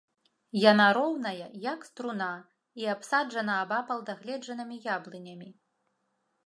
Яна роўная, як струна, і абсаджана абапал дагледжанымі яблынямі.